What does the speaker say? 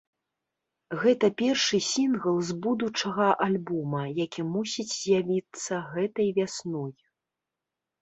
Гэта першы сінгл з будучага альбома, які мусіць з'явіцца гэтай вясной.